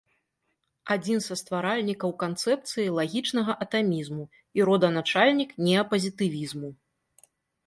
Адзін са стваральнікаў канцэпцыі лагічнага атамізму і роданачальнік неапазітывізму.